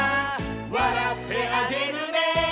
「わらってあげるね」